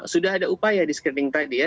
sudah ada upaya di screening tadi ya